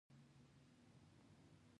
ښوونکی زموږ په روزنه کې کومه ونډه لري؟